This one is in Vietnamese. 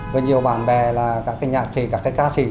với nhiều bạn bè là các cái nhạc sĩ các cái ca sĩ